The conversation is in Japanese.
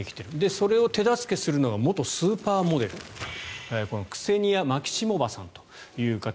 それを手助けするのが元スーパーモデルクセニア・マキシモヴァさんという方。